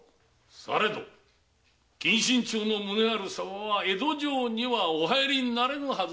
されど謹慎中の宗春様は江戸城にお入りにはなれぬはず。